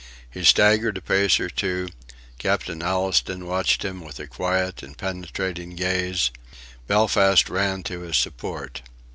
He staggered a pace or two; Captain Allistoun watched him with a quiet and penetrating gaze; Belfast ran to his support.